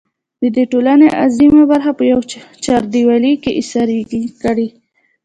د دې ټـولنې اعظـيمه بـرخـه پـه يـوه چـارديـوالي کـې اېـسارې کـړي.